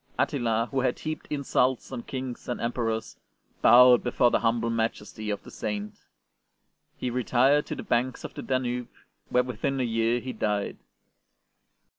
Attila, who had heaped insults on Kings and Emperors, bowed before the humble majesty of the Saint. He retired to the banks of the Danube, where within a year he died.